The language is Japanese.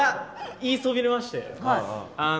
言いそびれまして。